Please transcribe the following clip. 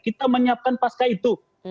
kita menyiapkan pasca itu